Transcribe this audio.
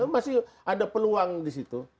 masih ada peluang di situ